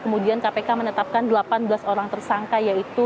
kemudian kpk menetapkan delapan belas orang tersangka yaitu